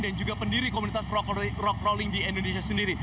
dan juga pendiri komunitas rock crawling di indonesia sendiri